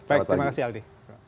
baik terima kasih aldi